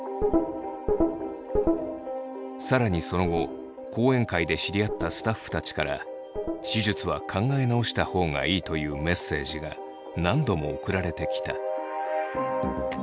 更にその後講演会で知り合ったスタッフたちから「手術は考え直した方がいい」というメッセージが何度も送られてきた。